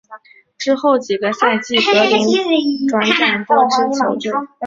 之后几个赛季格林转辗多支球队。